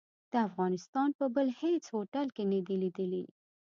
د افغانستان په بل هيڅ هوټل کې نه دي ليدلي.